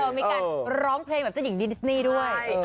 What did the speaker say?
มีการร้องเพลงแบบเจ้าหญิงดิสนี่ด้วย